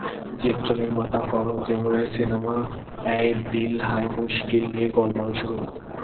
চিত্রনির্মাতা করণ জোহরের সিনেমা অ্যায় দিল হ্যায় মুশকিল নিয়ে গোলমাল শুরু।